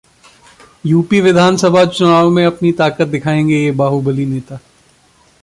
UP विधान सभा चुनाव में अपनी ताकत दिखाएंगे ये बाहुबली नेता